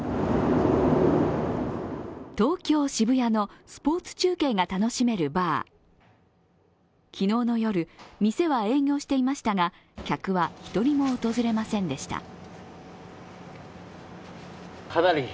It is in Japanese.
東京・渋谷のスポーツ中継が楽しめるバー・昨日の夜、店は営業していましたが客は１人も訪れませんでした。